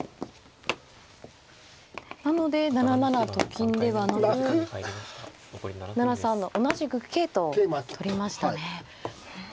なので７七と金ではなく７三の同じく桂と取りましたね。